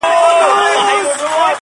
لیکلی وصیت!.!